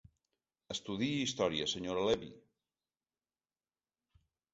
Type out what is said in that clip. Estudiï història, senyora Levy.